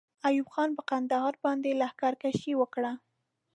ایوب خان پر کندهار باندې لښکر کشي وکړه.